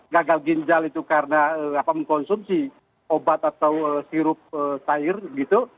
gagal ginjal itu karena mengkonsumsi obat atau sirup cair gitu